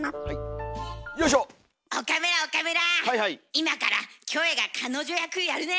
今からキョエが彼女役やるね。